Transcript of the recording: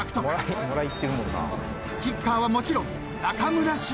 ［キッカーはもちろん中村俊輔］